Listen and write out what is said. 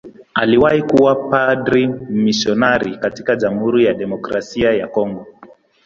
Aliwahi kuwa padri mmisionari katika Jamhuri ya Kidemokrasia ya Kongo.